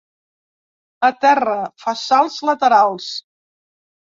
A terra, fa salts laterals.